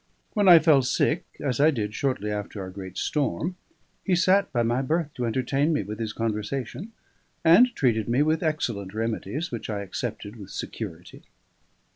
When I fell sick (as I did shortly after our great storm), he sat by my berth to entertain me with his conversation, and treated me with excellent remedies, which I accepted with security.